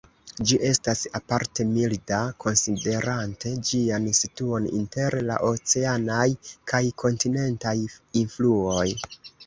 Ĝi estas aparte milda, konsiderante ĝian situon inter la oceanaj kaj kontinentaj influoj.